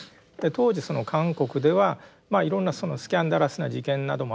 当時その韓国ではいろんなスキャンダラスな事件などもあったりしてですね